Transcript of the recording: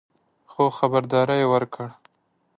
خو خبرداری یې ورکړ